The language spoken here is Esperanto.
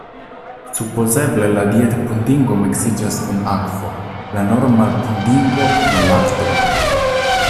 Supozeble la dietpudingo miksiĝas kun akvo, la normalpudingo kun lakto?